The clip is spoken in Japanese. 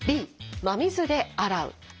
「Ｂ真水で洗う」。